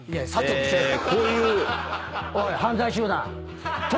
おい犯罪集団！